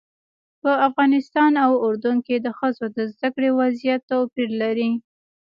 په افغانستان او اردن کې د ښځو د زده کړې وضعیت توپیر لري.